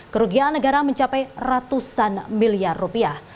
kerugian negara mencapai ratusan miliar rupiah